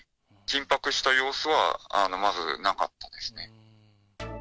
緊迫した様子はまだなかったですね。